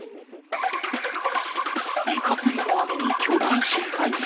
イカ釣りの網に巨大深海魚。